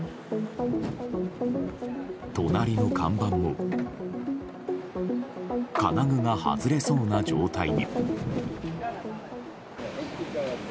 隣の看板も金具が外れそうな状態に。